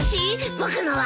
僕のは？